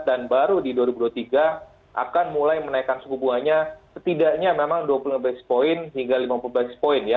dan baru di dua ribu dua puluh tiga akan mulai menaikkan suku buahnya setidaknya memang dua puluh lima lima puluh points ya